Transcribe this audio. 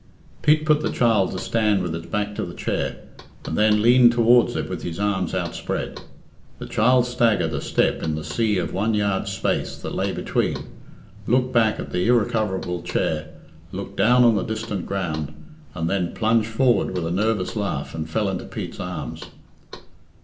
Pete put the child to stand with its back to the chair, and then leaned towards it with his arms outspread. The child staggered a step in the sea of one yard's space that lay between, looked back at the irrecoverable chair, looked down on the distant ground, and then plunged forward with a nervous laugh, and fell into Pete's arms.